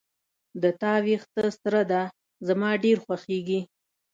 د تا وېښته سره ده زما ډیر خوښیږي